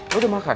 lo udah makan